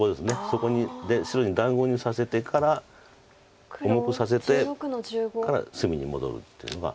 そこに白に団子にさせてから重くさせてから隅に戻るっていうのが。